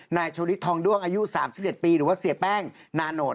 นายโชลิดทองด้วงอายุ๓๗ปีหรือว่าเสียแป้งนาโนต